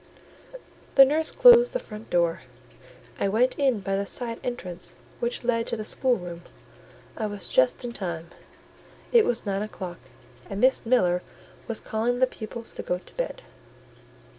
The nurse closed the front door; I went in by the side entrance which led to the schoolroom: I was just in time; it was nine o'clock, and Miss Miller was calling the pupils to go to bed.